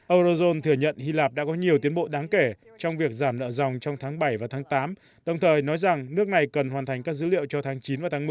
eurozone thừa nhận hy lạp đã có nhiều tiến bộ đáng kể trong việc giảm nợ dòng trong tháng bảy và tháng tám đồng thời nói rằng nước này cần hoàn thành các dữ liệu cho tháng chín và tháng một mươi